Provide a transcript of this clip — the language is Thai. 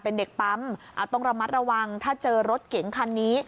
เป็นเด็กปั๊มต้องระมัดระวังถ้าเจอรถเก๋งคันนี้